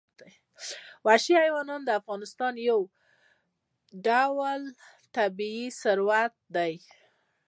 وحشي حیوانات د افغانستان یو ډول طبعي ثروت دی.